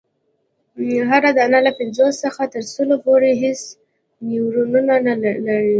هره دانه له پنځوسو څخه تر سلو پوري حسي نیورونونه لري.